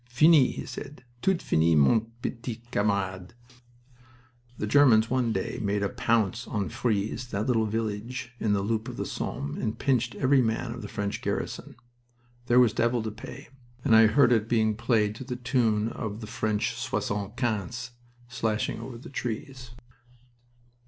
"Fini!" he said. "Tout fini, mon p'tit camarade." The Germans one day made a pounce on Frise, that little village in the loop of the Somme, and "pinched" every man of the French garrison. There was the devil to pay, and I heard it being played to the tune of the French soixante quinzes, slashing over the trees.